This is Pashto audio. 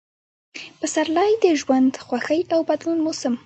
پسرلی – د ژوند، خوښۍ او بدلون موسم